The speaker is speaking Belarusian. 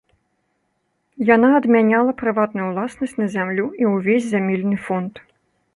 Яна адмяняла прыватную ўласнасць на зямлю і ўвесь зямельны фонд.